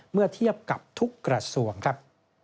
เมื่อเทียบกับทุกกระทรวงครับ